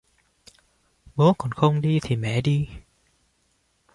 Bố còn không đi thì mẹ đi